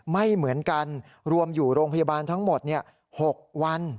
ไม่เหมือนกันรวมอยู่โรงพยาบาลทั้งหมด๖วัน